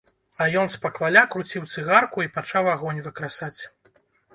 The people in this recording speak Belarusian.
А ён спакваля круціў цыгарку і пачаў агонь выкрасаць.